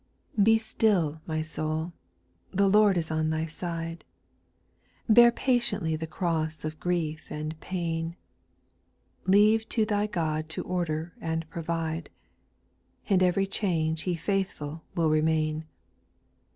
TIE still, my soul ! the Lord is on thy side, JJ Bear patiently the cross of grief and pain , Leave to thy God to order and provide. In every change He faithful will remain.